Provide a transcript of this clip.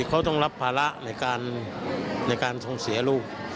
เขาต้องรับภาระในการทรงเสียลูก